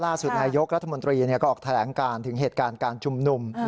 นายยกรัฐมนตรีก็ออกแถลงการถึงเหตุการณ์การชุมนุม